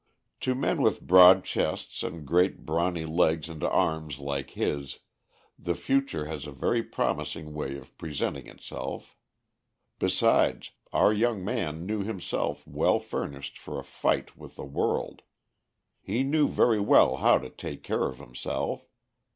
To men with broad chests and great brawny legs and arms like his the future has a very promising way of presenting itself. Besides, our young man knew himself well furnished for a fight with the world. He knew very well how to take care of himself.